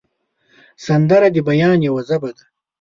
سندره د بیان یوه ژبه ده